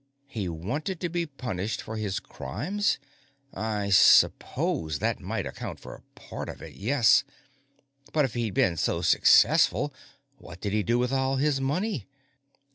He wanted to be punished for his crimes? I suppose that might account for part of it, yes. But if he'd been so successful, what did he do with all his money?